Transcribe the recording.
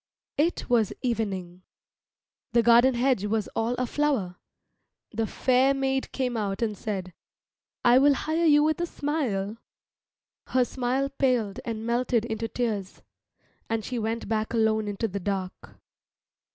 It was evening. The garden hedge was all aflower. The fair maid came out and said, "I will hire you with a smile." Her smile paled and melted into tears, and she went back alone into the dark.